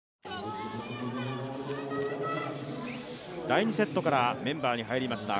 第２セットからメンバーに入りました